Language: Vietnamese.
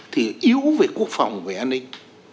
thì yếu về quốc phòng về an ninh